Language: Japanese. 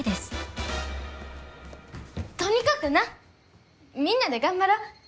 とにかくなみんなで頑張ろう。